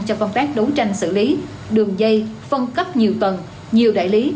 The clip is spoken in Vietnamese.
cho công tác đấu tranh xử lý đường dây phân cấp nhiều tầng nhiều đại lý